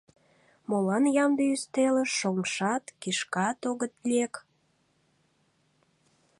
Молан ямде ӱстелыш шоҥшат, кишкат огыт лек?